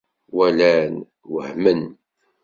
Walan, wehmen.